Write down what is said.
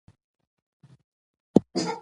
کار د انسان د ځان باور لوړوي